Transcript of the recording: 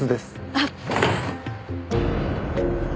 あっ。